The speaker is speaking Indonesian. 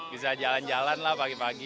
bisa jalan jalan lah pagi pagi